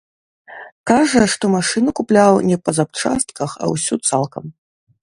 Кажа, што машыну купляў не па запчастках, а ўсю цалкам.